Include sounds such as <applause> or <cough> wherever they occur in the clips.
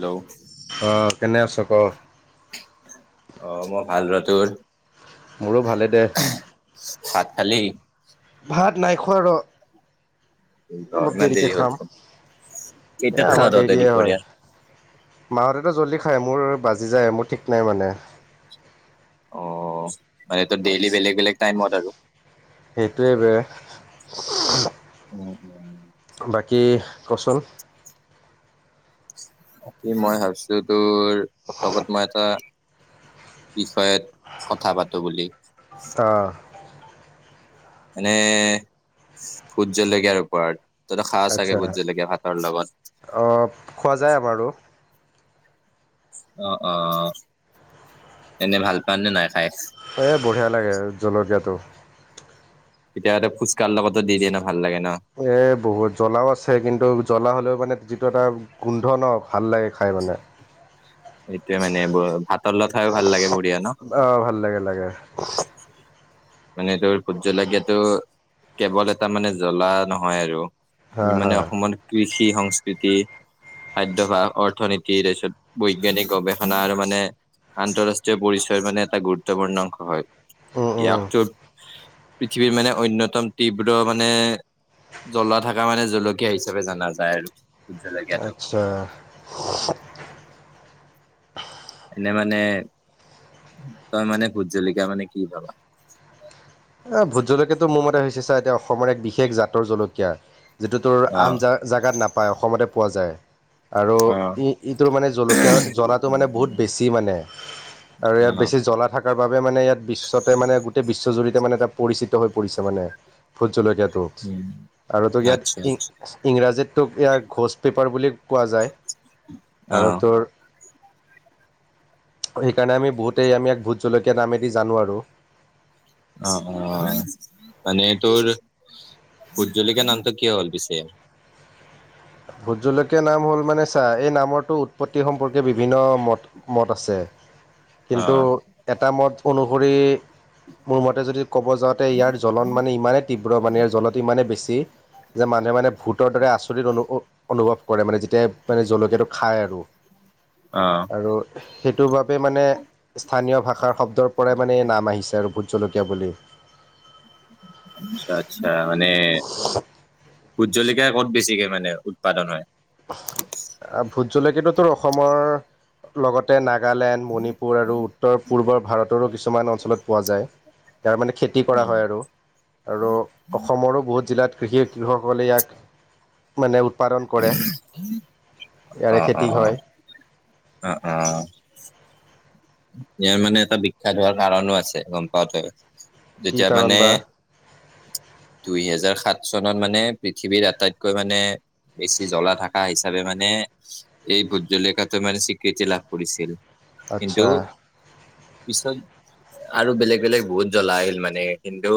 Hello অ' কেনে আছ ক? অ' মই ভাল ৰ, তোৰ? মোৰো ভালেই দে। ভাত খালি? ভাত নাই খোৱা ৰ! অলপ ইমান দেৰি দেৰিকৈ হ'ল খাম। চোন এ কেইটাত খাৱ আমাৰ তহঁতে দেৰিয়ে হয়। দুপৰীয়া মাহঁতেতো জল্দি খায়। মোৰ বাজি যায় মোৰ ঠিক নাই মানে অ মানে ত ডেইলি বেলেগ বেলেগ টাইমত আৰু উ উম উম বাকী ক'চোন। বাকী মই ভাবিছো তোৰ, লগত মই এটা বিষয়ত কথা পাতো বুলি অ'। মানে ভোট জলকীয়াৰ ওপৰত তইতো খাৱ চাগে আচ্ছা। ভোট জলকীয়া ভাতৰ লগত! অ', খোৱা যায় আমাৰো। অ' অ' অ' এনে ভাল পাৱনে নাই? খাই এ বঢ়িয়া লাগে জলকীয়াটো। তেতিয়া হয়তো ফুচকাৰ লগতো দি দিয়ে ন'হ! এ বহুত জ্বলাও আছে, কিন্তু জ্বলা হ'লেও মানে যিটো এটা গোন্ধ ন! ভাল লাগে খাই পেলাই এইটোৱে মানে, ভাতৰ লগত খায়ো ভাল লাগে বঢ়িয়া ন? অ', ভাল <unintelligible> মানে তোৰ ভোট জলকীয়াটো, কেৱল এটা মানে জ্বলা নহয় আৰু! হা ই হা। মানে অসমত কৃষি, সংস্কৃতি খাদ্যভাৰ, অৰ্থনীতি তাৰপিছত বৈজ্ঞানিক গৱেষণা আৰু মানে আন্তঃৰাষ্ট্ৰীয় পৰিচয় মানে এটা গুৰুত্বপূৰ্ণ অংশ হয়। উম, উম, ইয়াকতো পৃথিৱীৰ মানে অন্যতম তীব্ৰ মানে। জ্বলা থকা মানে জলকীয়া হিচাপে জানা যায় আৰু! ভোট জলকীয়াটো আচ্ছা। এনে মানে তই মানে ভোট জলকীয়া মানে কি ভাবা এ ভোট জলকীয়াটো মোৰ মতে হৈছে ছা এতিয়া অসমৰ এক বিশেষ জাতৰ জলকীয়া যিটো তোৰ অ আন জা জাগাত নাপায় অসমতে পোৱা যায় আৰু অ ই ই তোৰ মানে জলকীয়া জ্বলাটো মানে উম উম বহুত বেছি মানে আৰু অ ইয়াত বেছি জ্বলা থাক তাৰ বাবে মানে ইয়াত বিশ্বতে মানে গোটেই বিশ্বজুৰিতে মানে এটা পৰিচিত হৈ পৰিছে মানে ভোট জলকীয়াত ত উম আৰু তো আচ্ছা ইয়াত ই আচ্ছা ইংৰাজীত তোক ইয়াৰ ঘোঁচ পেপাৰ বুলি কোৱা যায় অ আৰু তোৰ <unintelligible> এইকাৰণে আমি বহুতেই আমি ইয়াক ভোট জলকীয়া নামেদি জানো আৰু অ অ মানে তোৰ ভোট জলকীয়া নামটো কিয় হ'ল পিছে ভোট জলকীয়া নাম হ'ল মানে চা এই নামৰটো উৎপত্তি সম্পৰ্কে বিভিন্ন মত মত আছে অ কিন্তু এটা মত অনুসৰি মোৰ মতে যদি ক'ব যাওঁতে ইয়াৰ জ্বলন মানে ইমানেই তীব্ৰ মানে ইয়াৰ জনতি ইমানেই বেছি দি যে মাজে মাজে ভূতৰ দৰে আচৰিত অনুসু অনুভৱ কৰে মানে যেতিয়া মানে জলকীয়াটো খায় আৰু অ আৰু সেইটোৰ বাবে মানে স্থানীয় ভাষাৰ শব্ তেও পৰাই মানে নাম আহিছে আৰু ভোট জলকীয়া বুলি আচ্ছা আচ্ছা মানে ভোট জলকীয়া ক'ত বেছিকে মানে উৎপাদন হয় ভোট জলকীয়াটো তোৰ অসমৰ লগতে নাগালেণ্ড মণিপুৰ আৰু উত্তৰ পূৰ্বৰ ভাৰতৰো কিছুমান অঞ্চলত পোৱা যায় তাৰ মানে খেতি কৰা হয় আৰু আৰু অসমৰো বহুত জিলাত কৃষি কৃষকসকলে ইয়াক মানে উৎপাদন কৰে <unintelligible> অ ইয়াৰে অ খেতি হয় অ অ ইয়াৰ মানে এটা বিখ্যাত হোৱাৰ কাৰণো আছে গম পাৱ তই কি যেতিয়া কাৰণ মানে বা দুই হেজাৰ সাত চনত মানে পৃথিৱীৰ আটাইতকৈ মানে বেছি জ্বলা থকা হিচাপে মানে এই ভোট জলকীয়াটো মানে স্বীকৃতি লাভ কৰিছিল কিন্তু আচ্ছা পিছত আৰু বেলেগ বেলেগ বহুত জ্বলা আহিল মানে কিন্তু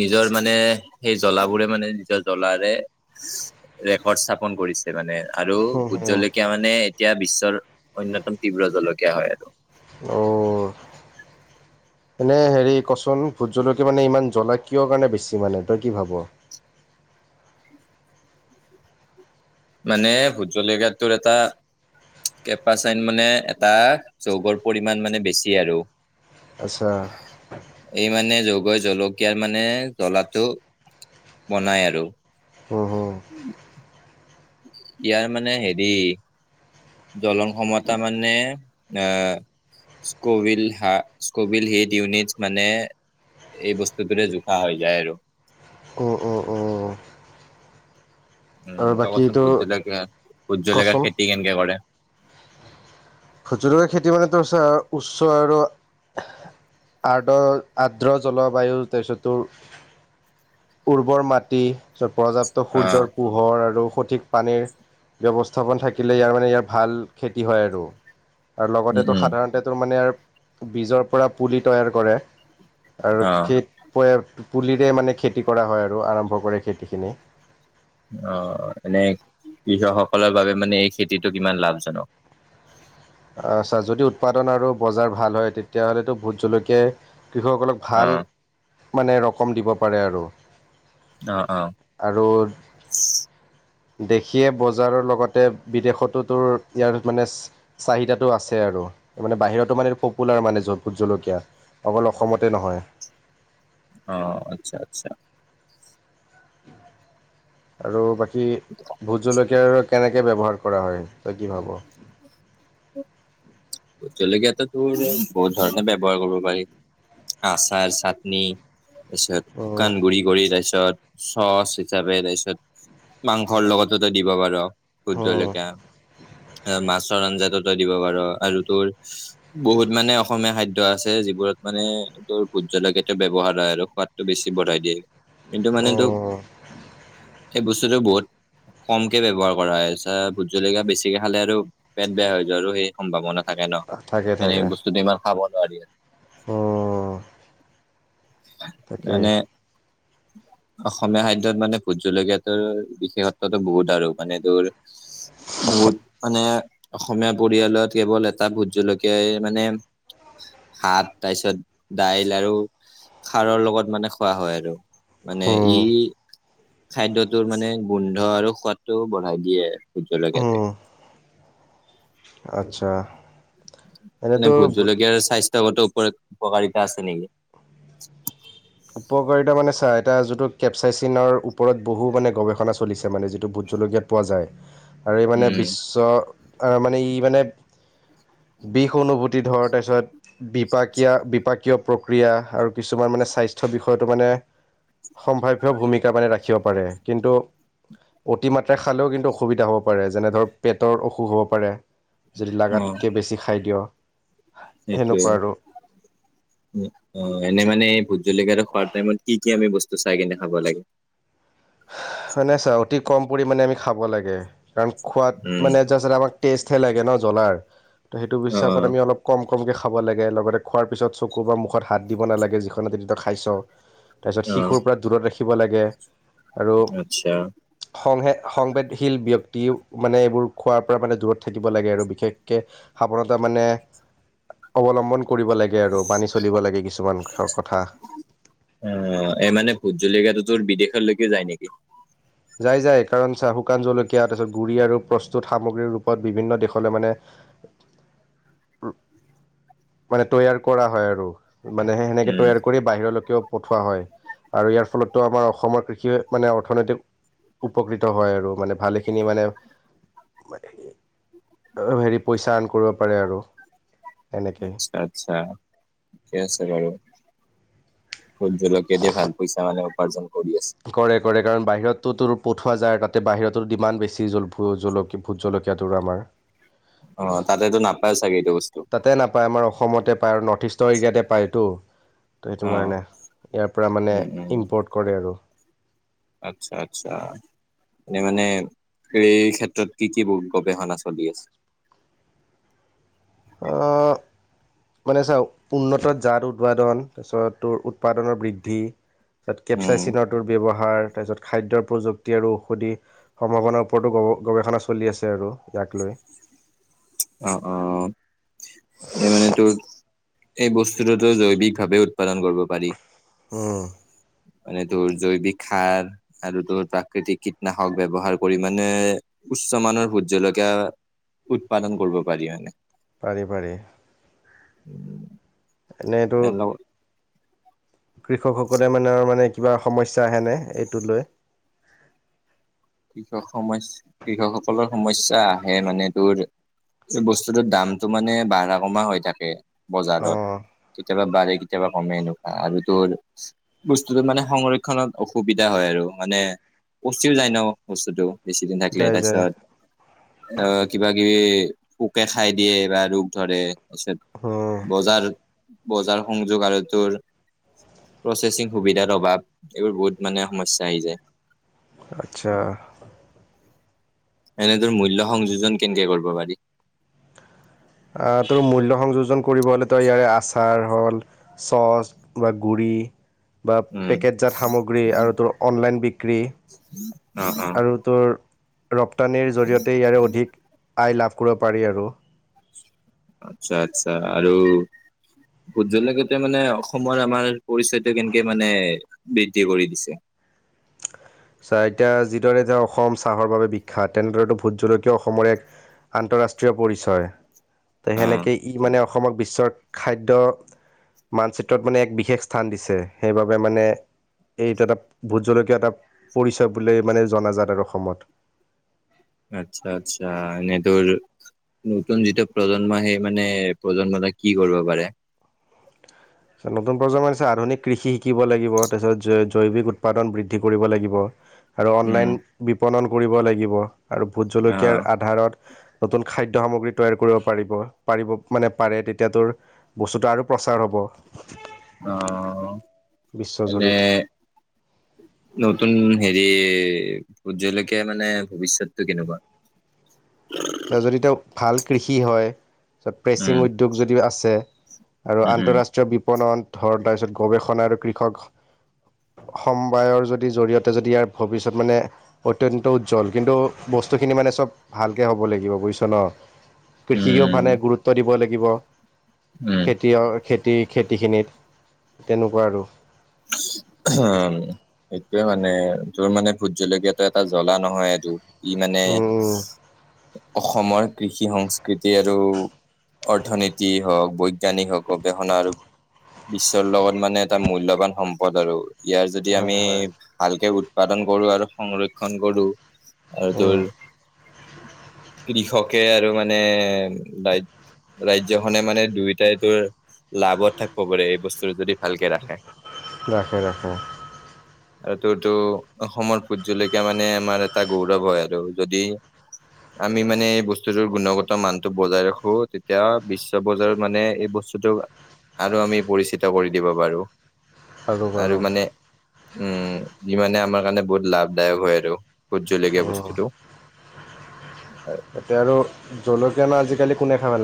নিজৰ মানে সেই জ্বলাবোৰে মানে নিজৰ জ্বলাৰে ৰেকৰ্ড স্থাপন কৰিছে মানে আৰু ভোট জলকীয়া মানে এতিয়া বিশ্বৰ অন্যতম তীব্ৰ জলকীয়া হয় আৰু অ <inaudible> এনে হেৰি কচোন ভোট জলকীয়া মানে ইমান জ্বলা কিয় কাৰণে বেছি মানে তই কি ভাব <inaudible> মানে ভোজ জলকীয়া টোৰ এটা কেপাচাইন মানে এটা যৌগৰ পৰিমাণ মানে বেছি আৰু আচ্ছা এই মানে যোগ গৈ জলকীয়াৰ মানে জলাটো বনাই আৰু হৌ হৌ ইয়াৰ মানে হেৰি জলং ক্ষমতা মানে অহ স্কভিল হা স্কভিল হিট ইউনিটচ্ মানে এই বস্তুটোৰে জোখা হৈ যায় আৰু অ অ অ উম তই কচোন ভুত জলকীয়া ভোট জলকীয়া কচোন খেতি কেনেকে কৰে ভুট জলকীয়াৰ খেতি মানে তোৰ চা উচ্ছ আৰু আৰ্দ আৰ্দ্ৰ জলবায়ুৰ তাৰপিছত তোৰ উৰ্বৰ মাটি ছত পৰ্যাপ্ত অ সূৰ্যৰ পোহৰ আৰু সত সঠিক পানীৰ ব্যৱস্থাপনা থাকিলে ইয়াৰ মানে ইয়াৰ ভাল খেতি হয় আৰু আৰু লগতে উম তো উম সাধাৰণতে তোৰ মানে বীজৰ পৰা পুলি তৈয়াৰ কৰে আৰু অ খেপ পয়েপ পুলিৰে মানে খেতি কৰা হয় আৰু আৰম্ভ কৰে খেতিখিনি অহ এনে কৃষকসকলৰ বাবে মানে এই খেতিটো কিমান লাভজনক <unintelligible> আছা যদি উৎপাদন আৰু বজাৰ ভাল হয় তেতিয়াহ'লেতো ভোট জলকীয়াই কৃষকসকলক অ ভাল মানে ৰকম দিব পাৰে আৰু অহ অহ দেশীয়ে বজাৰৰ লগতে বিদেশতো তোৰ ইয়াৰ মানে চাহিদাটো আছে আৰু মানে বাহিৰতো মানে পপুলাৰ মানে জ ভুট জলকীয়া অকল অসমতে নহয় অহ আচ্ছা আচ্ছা আৰু বাকী ভোত জলকী তেঅৰ কেনেক ব্যৱহাৰ কৰা হয় তই কি ভাব ভুট জলকীয়াটো তোৰ বহুত ধৰণে ব্যৱহাৰ কৰিব পাৰি আচাৰ চাটনি তাৰপিছত উম শুকান গুৰি কৰি তাৰপিছত চচ হিচাপে তাৰপিছত মাংসৰ লগতো তই দিব পাৰ ভোট উম জলকীয়া আ মাছৰ আঞ্জাতো তই দিব পাৰ আৰু তোৰ বহুত মানে অসমীয়া খাদ্য আছে যিবোৰত মানে তোৰ ভোট জলকীয়াটো ব্যবহাৰ হয় আৰু সোৱাদটো বেছি বঢ়াই দিয়ে কিন্তু মানে তোক উম সেই বস্তুটো বহুত কমকে ব্যৱহাৰ কৰা হয় চা ভোত জলকীয়া বেছিকে খালে আৰু পেট বেয়া হৈ যোৱা আৰু সেই সম্ভাৱনা থাকে ন সেনেকে বস্তুদি ইমান খাব নোৱাৰি আৰু উম মানে অসমীয়া খাদ্যত মানে ভোট জলকীয়াটোৰ বিশেষত্বটো বহুত আৰু মানে তোৰ বহুত মানে অসমীয়া পৰিয়ালত কেৱল এটা তাত ভোট জলকীয়াই মানে ভাত তাৰপিছত দাইল আৰু খাৰৰ লগত মানে খোৱা হয় আৰু মানে ই খাদ্যটোৰ মানে গোন্ধ আৰু সোৱাদটো বঢ়াই দিয়ে ভোট জলকীয়াতে উম আচ্ছা মানে ভোট জলকীয়াৰ স্বাস্থ্য গতো উপকাৰিতা আছে নিকি উপকাৰিতা মানে চা এটা যিটো কেপচাইচিনৰ ওপৰত বহু মানে গৱেষণা চলিছে মানে যিটো ভোট জলকীয়া পোৱা যায় আৰু ই মানে উম বিশ্ব আ মানে ই মানে বিষ অনুভূতি ধৰ তাৰপিছত বিপাকীয়া বিপাকীয় প্ৰক্ৰিয়া আৰু কিছুমান মানে স্বাস্থ্য বিষয়টো মানে সম্ভাৱ্য ভূমিকা মানে ৰাখিব পাৰে কিন্তু অতিমাত্ৰা খালেও কিন্তু অসুবিধা হ'ব পাৰে যেনে ধৰ পেটৰ অসুখ হ'ব পাৰে যদি লাগাতকে বেছি খাই দিয় সেইটোৱেই সেনেকুৱা আৰু উ উ এনে মানে ভুট জলকীয়াটো খোৱাৰ টাইমত কি কি আমি বস্তু চাই কিনে খাব লাগে হয় নে চা অতি কম পৰিমাণে আমি খাব লাগে কাৰণ খোৱাত উম মানে জাষ্ট আমাক টেষ্টহে লাগে ন জ্বলাৰ ত সেইটো অ হিচাপ আমি অলপ কম কমকে খাব লাগে লগতে খোৱাৰ পিছত চকু বা মুখত হাত দিব নালাগে যিখন হাতেদি তই খাইছ তাৰপিছত অ শিশুৰ পৰা দূৰত ৰাখিব লাগে আৰু আচ্ছা সংহে সংবেদশীল ব্যক্তিও মানে এইবোৰ খোৱাৰ পৰা মানে দূৰত থাকিব লাগে আৰু বিশেষকৈ সাৱধতা মানে অৱলম্বন কৰিব লাগে আৰু। মানী চলিব লাগে কিছুমান কথা। য'ত বিদেশলৈকে যায় নেকি। যায়-যায় কাৰণ চাহ শুকান জলকীয়া তাৰপিছত গুড়ি আৰু প্ৰস্তুত সামগ্ৰীৰ ৰূপত বিভিন্ন দেশলৈ মানে <inaudible> মানে তৈয়াৰ কৰা হয় আৰু। মানে সেনেকে উম তৈয়াৰ কৰি বাহিৰলৈকেও পঠোৱা হয় আৰু ইয়াৰ ফলতো আমাৰ অসমৰ কৃষি মানে অৰ্থনৈতিক উপকৃত হয় আৰু মানে ভালেখিনি মানে <unintelligible> হেৰি পইচা আৰ্ণ কৰিব পাৰে আৰু। এনেকে আচ্ছা-আচ্ছা ঠিকে আছে বাৰু। ভোট জলকীয়া দি ভাল পইচা মানে উপাৰ্জন কৰি আছে কৰে-কৰে কাৰণ বাহিৰত তো তোৰ পঠোৱা যায় তাতে বাহিৰতো দিমান বেছি ভোট জলকীয়াটোৰ আমাৰ। অ তাতেতো নাপায় চাগে এইটো বস্তু তাতে নাপায় আমাৰ অসমতে পায় আৰু নৰ্থ ইষ্টৰ এৰিয়াতে পায়টো। ত' এইটো অ কাৰণে ইয়াৰ পৰা মানে ইম্পৰ্ট কৰে আৰু। আচ্ছা-আচ্ছা। এনে মানে সেই ক্ষেত্ৰত কি-কি গৱেষণা চলি আছে? <inaudible> অ' মানে চাও উন্নত জাত উৎপাদন তাৰপিছত তোৰ উৎপাদনৰ বৃদ্ধি। তাত কেপচাই উম চিনৰটোৰ ব্যৱহাৰ। তাৰপিছত খাদ্যৰ প্ৰযুক্তি আৰু ঔষধি সম্ভাৱনাৰ ওপৰতো গৱেষণা চলি আছে আৰু ইয়াক লৈ। অ', অ' এনে মানে তোৰ এই বস্তুটোতো জৈৱিকভাৱে উৎপাদন কৰিব পাৰি। উম। মানে তোৰ জৈৱিক সাৰ আৰু তোৰ প্ৰাকৃতিক কীটনাশক ব্যৱহাৰ কৰি মানে উচ্চ মানৰ ভোট জলকীয়া উৎপাদন কৰিব পাৰি মানে। পাৰি পাৰি। উম। এনেইতো এৰ লগ- কৃষকসকলে মানে-মানে কিবা সমস্যা আহেনে এইটো লৈ। কৃষক সমস্যা কৃষকসকলৰ সমস্যা আহে মানে তোৰ বস্তুটো দামটো মানে বাঢ়া কমা হৈ থাকে বজাৰত অঁ কেতিয়াবা বাৰে কেতিয়াবা কমে এনেকুৱা আৰু তোৰ বস্তুটো মানে সংৰক্ষণত অসুবিধা হয় আৰু মানে পচিওঁ যায় ন বস্তুটো বেছি দিন থাকিলে যায় যায় তাৰপিছত অ' কিবা <unintelligible> পোকে খাই দিয়ে বা ৰোগ ধৰে তাৰপিছত উম, বজাৰ বজাৰ সংযোগ আৰু তোৰ প্ৰচেচিং সুবিধাৰ অভাৱ এইবোৰ বহুত মানে সমস্যা আহি যায়। আচ্ছা। এনে ধৰ মূল্য সংযোজন কেংকে কৰিব পাৰি? আ, তোৰ মূল্য সংযোজন কৰিব হলে তই ইয়াৰে আচাৰ হল চছ বা গুৰি <unintelligible> বা উম পেকেতজাত সামগ্ৰী আৰু তোৰ অনলাইন বিক্ৰী। অ', অ'। আৰু তোৰ ৰপ্তানিৰ জৰিয়তে ইয়াৰে অধিক আয় লাভ কৰিব পাৰি আৰু। আচ্ছা-আচ্ছা আৰু ভোট জলকীয়া টোয় মানে অসমৰ আমাৰ পৰিচয়টো কেনেকে মানে বৃদ্ধি কৰি দিছে। চা এতিয়া যিদৰে জে অসম চাহৰ বাবে বিখ্যাত তেনেদৰেতো ভোট জলকীয়ও অসমৰ এক আন্তৰাষ্ট্ৰীয় পৰিচয় তে অ সেনেকে ই মানে অসমক বিশ্বৰ খাদ্য মানচিত্ৰত মানে এক বিশেষ স্থান দিছে সেইবাবে মানে এইটো এটা ভোট জলকীয়া এটা পৰিচয় বুলি মানে জনাজাত আৰু অসমত। আচ্ছা আচ্ছা এনে তোৰ নতুন যিটো প্ৰজন্ম সেই মানে প্ৰজন্মটা কি কৰিব পাৰে। নতুন প্ৰজন্ম হৈছে আধুনিক কৃষি শিকিব লাগিব তাৰপিছত জৈ জৈৱিক উৎপাদন বৃদ্ধি কৰিব লাগিব। আৰু উম অনলাইন বিপণন কৰিব লাগিব আৰু ভোট জলকীয়াৰ অ আধাৰত নতুন খাদ্য সামগ্ৰী তৈয়াৰ কৰিব পাৰিব পাৰিব মানে পাৰে তেতিয়া তোৰ বস্তুটো আৰু প্ৰ প্ৰচাৰ হ'ব। অ এনে বিশ্বজুৰিত। নতুন হেৰি, ভূত জলকীয়া মানে ভৱিষ্যতটো কেনেকুৱা? <inaudible> যদি তেওঁক ভাল কৃষি হয় তাৰপাছত উম প্ৰেচিং উদ্যোগ যদি আছে আৰু উম আন্তঃৰাষ্ট্ৰীয় বিপণত ধৰ তাৰপিছত গৱেষণা আৰু কৃষক সমবায়ৰ যদি জৰিয়তে যদি ইয়াৰ ভৱিষ্যত মানে অত্যন্ত উজ্জ্বল, কিন্তু বস্তুখিনি মানে চব ভাল হ'ব লাগিব বুজিছ ন, কৃষিকো উম মানে গুৰুত্ব দিব লাগিব। উম খেতিয় খেতি খেতিখিনিত তেনেকুৱা আৰু। এইটোৱে মানে তোৰ মানে ভোট জলকীয়াটো এটা জ্বলা নহয় সেইটো। ই মানে, উম উম অসমৰ কৃষি সংস্কৃতি আৰু অৰ্থনীতি হওক বৈজ্ঞানিক হওক গৱেষণা আৰু বিশ্বৰ লগত মানে এটা মূল্যবান সম্পদ আৰু ইয়াৰ যদি আমি হয় হয় ভালকে উৎপাদন কৰো আৰু সংৰক্ষন কৰো আৰু উম তোৰ <inaudible> কৃষকে আৰু মানে, ডাইত ৰাজ্যখনে মানে দুয়োটাই তোৰ লাভত থাকিব পাৰে এই বস্তু যদি ভালকে ৰাখে। ৰাখে ৰাখে। আৰু এইতোটো, অসমৰ ভোট জলকীয়া মানে আমাৰ এটা গৌৰৱ হয় আৰু যদি আমি মানে এই বস্তুটোৰ গুণগত মানটো বজাই ৰাখো তেতিয়া বিশ্ব বজাৰত মানে এইবোৰ বস্তুটো আৰু আমি পৰিচিত কৰি দিব পাৰো। আৰু মানে <unintelligible> উম, ই মানে আমাৰ কাৰণে বহুত লাভদায়ক হয় আৰু ভোট জলকীয়া উম বস্তুটো। <inaudible> তাতে আৰু জলকীয়া না আজিকালি কোনে খাব <unintelligible>